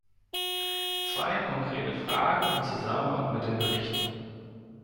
Zwei konkrete Fragen im Zusammenhang mit den Berichten.